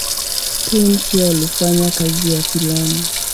Payn pia alifanya kazi ya filamu.